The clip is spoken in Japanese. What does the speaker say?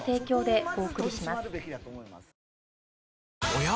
おや？